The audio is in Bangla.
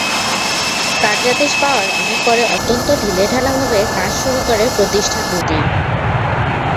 কার্যাদেশ পাওয়ার অনেক পরে অত্যন্ত ঢিলেঢালাভাবে কাজ শুরু করে প্রতিষ্ঠান দুটি।